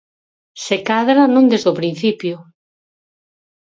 Se cadra, non desde o principio.